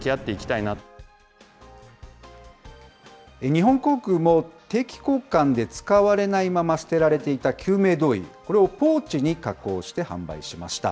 日本航空も、定期交換で使われないまま捨てられていた救命胴衣、これをポーチに加工して販売しました。